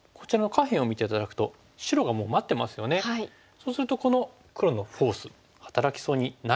そうするとこの黒のフォース働きそうにないですよね。